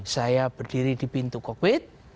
saya berdiri di pintu kokpit